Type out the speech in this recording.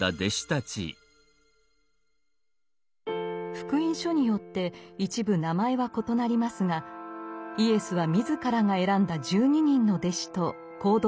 「福音書」によって一部名前は異なりますがイエスは自らが選んだ十二人の弟子と行動を共にしました。